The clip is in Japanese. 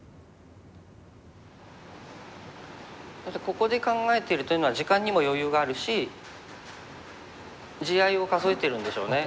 ここで考えてるというのは時間にも余裕があるし地合いを数えてるんでしょうね。